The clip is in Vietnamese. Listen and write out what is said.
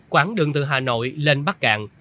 quảng đường từ hà nội lên bắc cạn